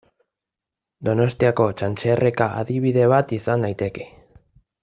Donostiako Txantxerreka adibide bat izan daiteke.